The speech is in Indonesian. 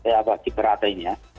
ya bagi peratai ini ya